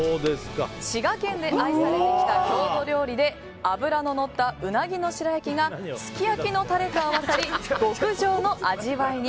滋賀県で愛されてきた郷土料理で脂ののったうなぎの白焼きがすき焼きのタレと合わさり極上の味わいに。